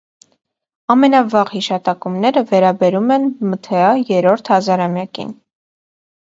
Ամենավաղ հիշատակումները վերաբերում են մ. թ. ա. երրորդ հազարամյակին։